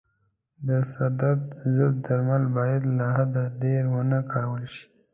د سردرد ضد درمل باید له حده ډېر و نه کارول شي.